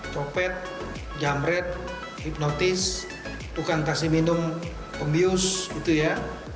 copet jamret hipnotis bukan kasih minum pembius gitu ya